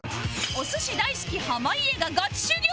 お寿司大好き濱家がガチ修行